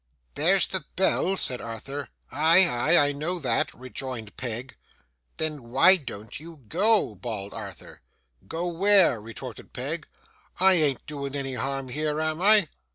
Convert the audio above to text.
'There's the bell,' said Arthur. 'Ay, ay; I know that,' rejoined Peg. 'Then why don't you go?' bawled Arthur. 'Go where?' retorted Peg. 'I ain't doing any harm here, am I?